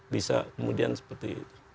bisa kemudian seperti itu